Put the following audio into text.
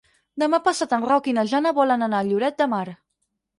Demà passat en Roc i na Jana volen anar a Lloret de Mar.